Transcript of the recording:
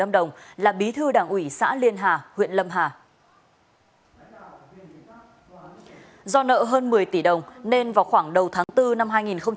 do nợ hơn một mươi tỷ đồng nên vào khoảng đầu tháng bốn năm hai nghìn hai mươi